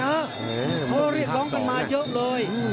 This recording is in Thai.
เขาเรียกร้องกันมาเยอะเลย